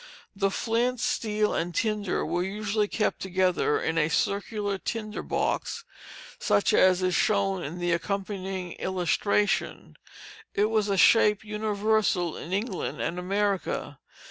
The flint, steel, and tinder were usually kept together in a circular tinder box, such as is shown in the accompanying illustration; it was a shape universal in England and America.